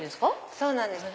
そうなんです。